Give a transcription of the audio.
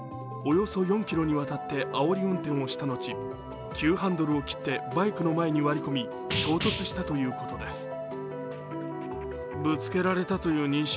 およそ４ｋｍにわたってあおり運転をした後、急ハンドルを切ってバイクの前に割り込み衝突したということです。